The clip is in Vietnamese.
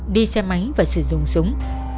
đi xe máy và sử dụng súng